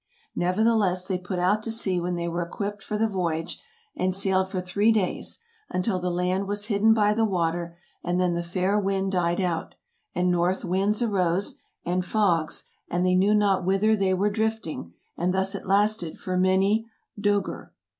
Nevertheless, they put out to sea when they were equipped for the voyage, and sailed for three days, until the land was hidden by the water, and then the fair wind died out, and north winds arose, and fogs, and they knew not whither they were drifting, and thus it lasted for many "dcegr."